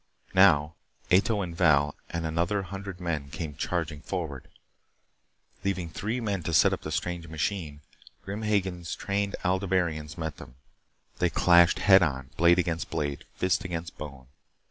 Now, Ato and Val and another hundred men came charging forward. Leaving three men to set up the strange machine, Grim Hagen's trained Aldebaranians met them. They clashed head on blade against blade, fist against bone.